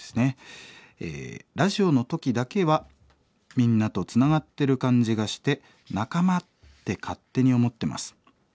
「ラジオの時だけはみんなとつながってる感じがして仲間って勝手に思ってます。